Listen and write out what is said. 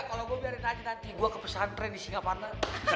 kalau gua biarin aja nanti gua kepesantren di singapura